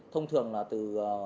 thông thường là từ